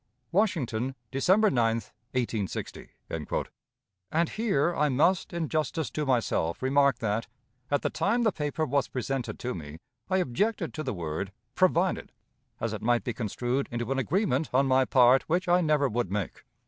"Washington, December 9, 1860." And here I must, in justice to myself, remark that, at the time the paper was presented to me, I objected to the word "provided," as it might be construed into an agreement, on my part, which I never would make.